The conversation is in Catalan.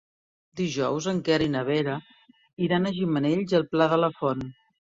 Dijous en Quer i na Vera iran a Gimenells i el Pla de la Font.